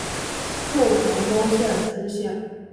授长洲县知县。